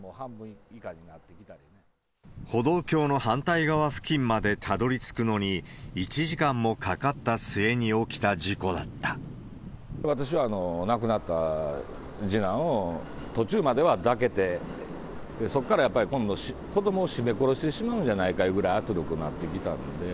歩道橋の反対側付近までたどりつくのに１時間もかかった末に起き私は亡くなった次男を、途中までは抱けて、そこからやっぱり今度、子どもを絞め殺してしまうんじゃないかというぐらいの圧力なってきたんで。